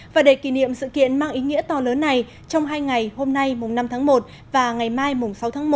và để kỷ niệm sự kiện mang ý nghĩa to lớn này trong hai ngày hôm nay năm tháng một và ngày mai sáu tháng một